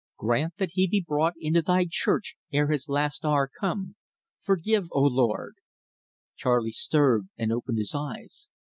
Grant that he be brought into Thy Church ere his last hour come. Forgive, O Lord " Charley stirred and opened his eyes.